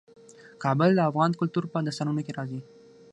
کابل د افغان کلتور په داستانونو کې راځي.